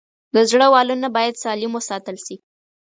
د زړه والونه باید سالم وساتل شي.